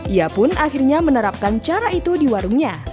ia pun akhirnya menerapkan cara itu di warungnya